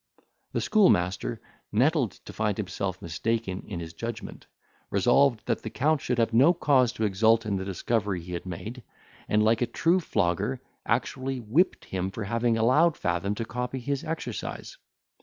The schoolmaster, nettled to find himself mistaken in his judgment, resolved that the Count should have no cause to exult in the discovery he had made, and, like a true flogger, actually whipped him for having allowed Fathom to copy his exercise.